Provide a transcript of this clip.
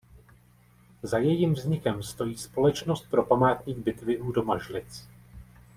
Za jejím vznikem stojí Společnost pro památník bitvy u Domažlic.